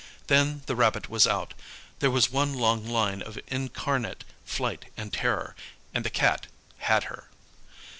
Then the rabbit was out there was one long line of incarnate flight and terror and the Cat had her.